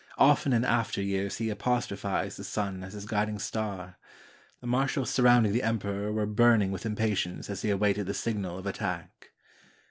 Often in after years he apostrophized the sun as his guiding star. The marshals surrounding the emperor were burning with impatience as they awaited the signal of attack.